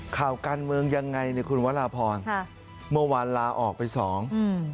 ข่าวการเมืองยังไงเนี่ยคุณวราพรค่ะเมื่อวานลาออกไปสองอืม